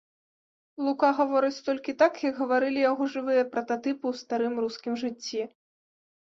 Лука гаворыць толькі так, як гаварылі яго жывыя прататыпы ў старым рускім жыцці.